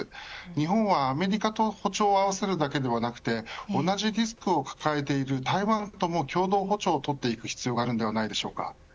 日本はアメリカと歩調を合わせるだけではなくて同じリスクを抱えている台湾とも共同歩調をとっていく必要があるのではないでしょうか。